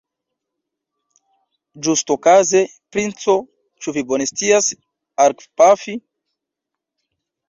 Ĝustokaze, princo, ĉu vi bone scias arkpafi?